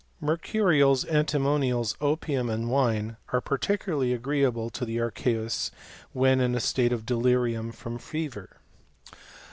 Mercurials, antimonials, opium, and wine, are particularly agreeable to the archeusy when in a state of delirium from fever.